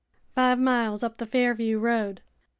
"Five miles up the Fairview road.